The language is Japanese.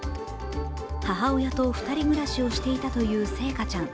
母親と２人暮らしをしていたという星華ちゃん。